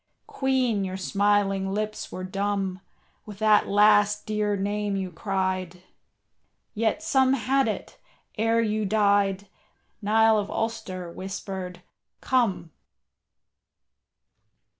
Queen, your smiling lips were dumb With that last dear name you cried, Yet some had it, ere you died, Niall of Ulster whispered, "Come."